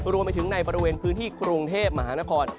รวมไปถึงในบริเวณพื้นที่กรุงเทพมหานคร